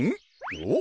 おっ？